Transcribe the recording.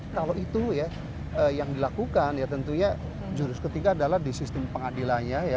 kalau itu ya yang dilakukan ya tentunya jurus ketiga adalah di sistem pengadilannya ya